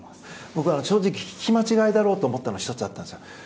僕、正直聞き間違いだろうと思ったのが１つあったんです。